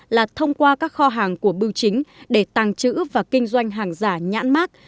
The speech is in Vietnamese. là thông qua các kho hàng của bưu chính để tàng trữ và kinh doanh hàng giả nhãn mát